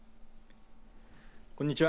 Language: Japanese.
こんにちは。